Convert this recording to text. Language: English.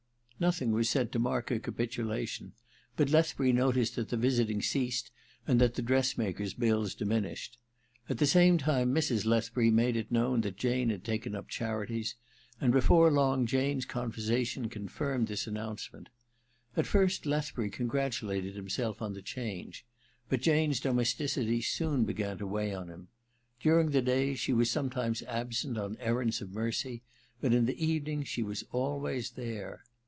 Nothing was said to mark her capitulation ; but Lethbury noticed that the visiting ceased and that the dressmaker's bills diminished. At 1 84 THE MISSION OF JANE v the same time Mrs. Lethbury made it known that Jane had taken up charities ; and before long Jane's conversation confirmed this an nouncement. At first Lethbury congratulated himself on the change ; but Jane's domesticity soon began to weigh on him. During the day she was sometimes absent on errands of mercy ; but in the evening she was always there.